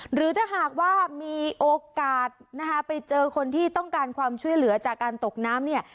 หรือถ้าหากว่ามีโอกาสนะคะไปเจอคนที่ต้องการความช่วยเหลือจากการตกน้ำเนี่ย